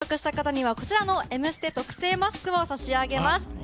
最も連打を獲得した方にはこちらの「Ｍステ」特製マスクを差し上げます。